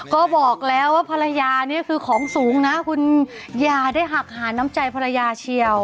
ก็บอกแล้วว่าภรรยานี่คือของสูงนะคุณอย่าได้หักหาน้ำใจภรรยาเชียว